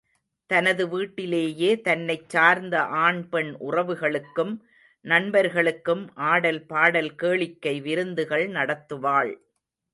தனது வீட்டிலேயே தன்னைச் சார்ந்த ஆண் பெண் உறவுகளுக்கும், நண்பர்களுக்கும் ஆடல் பாடல், கேளிக்கை விருந்துகள் நடத்துவாள்.